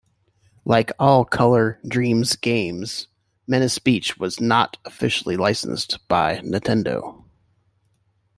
Like all Color Dreams games, "Menace Beach" was not officially licensed by Nintendo.